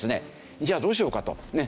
じゃあどうしようか？とねっ。